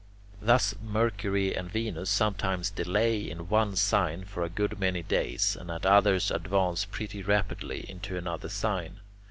Thus Mercury and Venus sometimes delay in one sign for a good many days, and at others advance pretty rapidly into another sign.